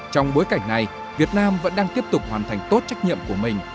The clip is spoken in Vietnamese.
trong bối cảnh này việt nam vẫn đang tiếp tục hoàn thành tốt trách nhiệm của mình